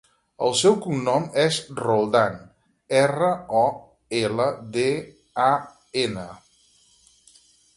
El seu cognom és Roldan: erra, o, ela, de, a, ena.